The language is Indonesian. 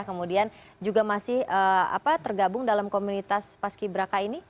kemudian juga masih tergabung dalam komunitas paskibraka ini